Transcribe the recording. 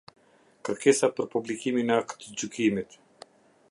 Kërkesa për publikimin e aktgjykimit.